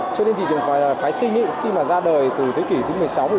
cho nên thị trường phái sinh khi mà ra đời từ thế kỷ thứ một mươi sáu một mươi bảy